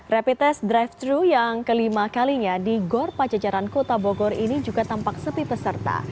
rapid test drive thru yang kelima kalinya di gor pajajaran kota bogor ini juga tampak sepi peserta